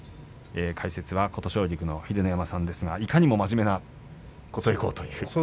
解説は琴奨菊の秀ノ山さんですがいかにも真面目な琴恵光という。